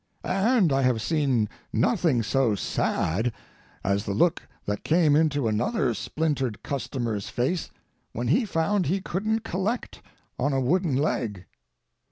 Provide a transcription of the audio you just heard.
And I have seen nothing so sad as the look that came into another splintered customer's face when he found he couldn't collect on a wooden leg.